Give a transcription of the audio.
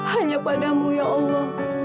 hanya padamu ya allah